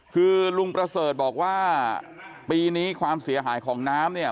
คือลุงประเสริฐบอกว่าปีนี้ความเสียหายของน้ำเนี่ย